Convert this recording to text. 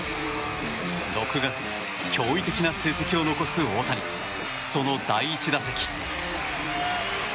６月、驚異的な成績を残す大谷その第１打席。